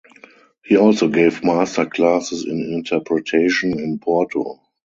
He also gave master classes in interpretation in Porto.